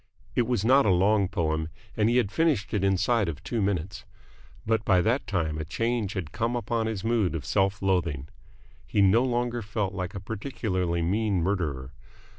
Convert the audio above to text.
It was not a long poem, and he had finished it inside of two minutes; but by that time a change had come upon his mood of self loathing. He no longer felt like a particularly mean murderer.